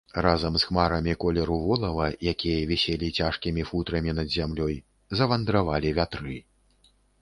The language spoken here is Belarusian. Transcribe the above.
Разам з хмарамі колеру волава, якія віселі цяжкімі футрамі над зямлёй, завандравалі вятры.